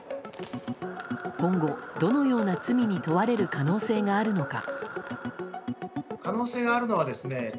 今後、どのような罪に問われる可能性があるのか。